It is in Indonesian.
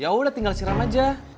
ya udah tinggal siram aja